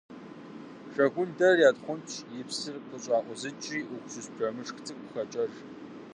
Жэгундэр ятхъунщӏ, и псыр къыщӀакъузыкӀри, уксус бжэмышх цӀыкӀу хакӀэж.